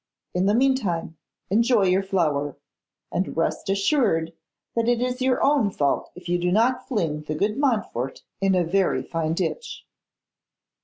In the meantime, enjoy your flower; and rest assured that it is your own fault if you do not fling the good Montfort in a very fine ditch.